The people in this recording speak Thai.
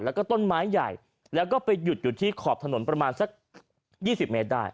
แล้วก็ต้นไม้ใหญ่แล้วก็ไปหยุดอยู่ที่ขอบถนนประมาณสัก๒๐เมตรได้